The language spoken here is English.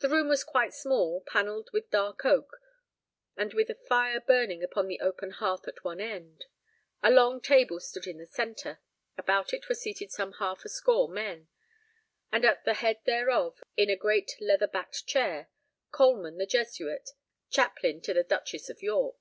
The room was quite small, panelled with dark oak, and with a fire burning upon the open hearth at one end. A long table stood in the centre. About it were seated some half a score men, and at the head thereof, in a great leather backed chair, Coleman the Jesuit, chaplain to the Duchess of York.